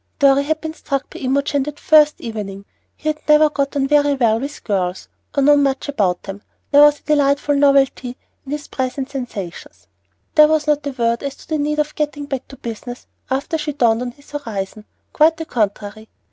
Dorry had been struck by Imogen that first evening. He had never got on very well with girls, or known much about them; there was a delightful novelty in his present sensations. There was not a word as to the need of getting back to business after she dawned on his horizon. Quite the contrary.